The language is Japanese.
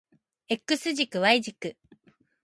X 軸 Y 軸